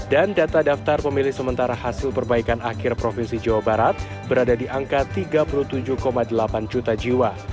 dan data daftar pemilih sementara hasil perbaikan akhir provinsi jawa barat berada di angka tiga puluh tujuh delapan juta jiwa